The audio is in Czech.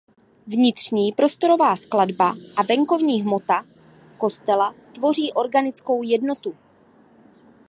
Vnitřní prostorová skladba a venkovní hmota kostela tvoří organickou jednotu.